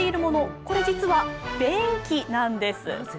これ実は便器なんです。